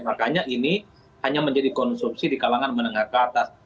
makanya ini hanya menjadi konsumsi di kalangan menengah ke atas